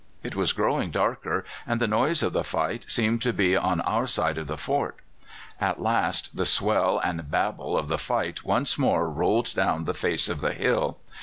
It was growing darker, and the noise of the fight seemed to be on our side of the fort. At last the swell and babble of the fight once more rolled down the face of the hill.